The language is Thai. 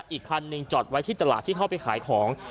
อีกคันหนึ่งจอดไว้ที่ตลาดที่เข้าไปขายของ